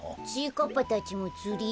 かっぱたちもつり？